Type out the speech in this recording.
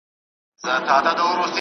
زه به سبا د ښوونځي کتابونه مطالعه وکړم!؟